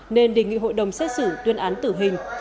nên đề nghị hội đồng xét xử tuyên án tử hình